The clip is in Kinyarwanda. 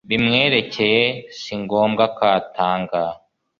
bimwerekeye, si ngombwa ko atanga